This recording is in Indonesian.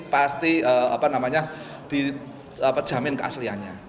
pasti dijamin keaslianya